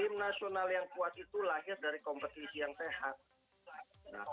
tim nasional yang kuat itu lahir dari kompetisi yang sehat